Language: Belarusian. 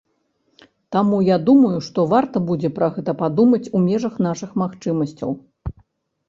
Таму я думаю, што варта будзе пра гэта падумаць у межах нашых магчымасцяў.